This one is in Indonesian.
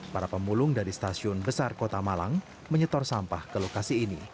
para pemulung dari stasiun besar kota malang menyetor sampah ke lokasi ini